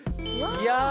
いや！